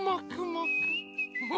フフ。